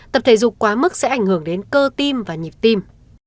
tập thể dục quá mức sẽ ảnh hưởng đến cơ tim và nhịp tim